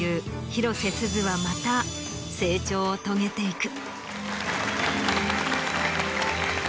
広瀬すずはまた成長を遂げていく。